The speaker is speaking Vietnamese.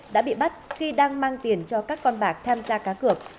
đã bị bắt khi đang mang tiền cho các con bạc tham gia cá cược